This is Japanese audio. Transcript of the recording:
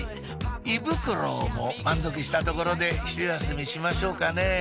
胃ブクロウも満足したところでひと休みしましょうかね